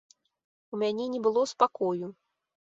У мяне не было спакою.